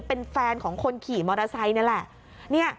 เป็นแฟนของคนขี่มอเตอร์ไซค์นั่นแหละ